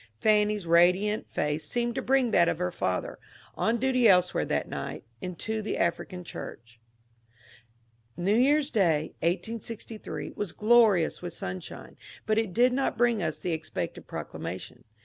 Fanny's radiant face seemed to bring that of her father — on duty elsewhere that night — into Uie African church. New Year's Day, 1868, was glorious with sunshine, but it did not bring us the expected proclamation.